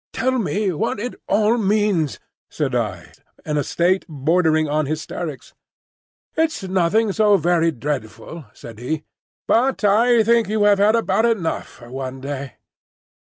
"Tell me what it all means," said I, in a state bordering on hysterics. "It's nothing so very dreadful," said he. "But I think you have had about enough for one day."